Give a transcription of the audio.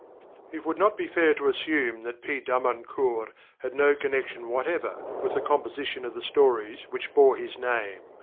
_ _It would not be fair to assume that P. Darmancour had no connection whatever with the composition of the stories which bore his name.